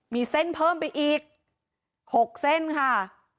มีเส้นเพิ่มไปอีก๖เส้นค่ะ